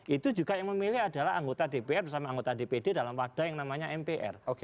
itu juga yang memilih adalah anggota dpr bersama anggota dpd dalam wadah yang namanya mpr